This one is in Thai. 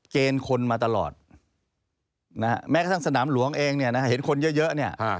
เกณฑ์คนมาตลอดแม้กระทั่งสนามหลวงเองเห็นคนเยอะ